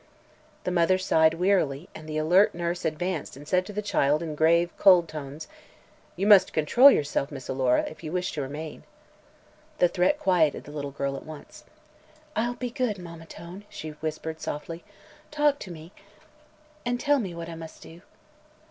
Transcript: "_ The mother sighed wearily and the alert nurse advanced and said to the child in grave, cold tones: "You must control yourself, Miss Alora, if you wish to remain." The threat quieted the little girl at once. "I'll be good, Mamma Tone," she whispered softly. "Talk to me, and tell me what I must do."